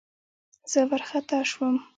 زه وارخطا شوم.